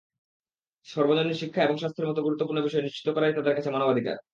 সর্বজনীন শিক্ষা এবং স্বাস্থ্যের মতো গুরুত্বপূর্ণ বিষয় নিশ্চিত করাই তাদের কাছে মানবাধিকার।